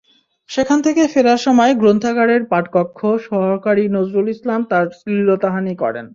সেখান থেকে ফেরার সময় গ্রন্থাগারের পাঠকক্ষ সহকারী নজরুল ইসলাম তাঁর শ্লীলতাহানি করেন।